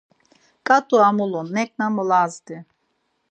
Ǩat̆u amulun, neǩna molazdi.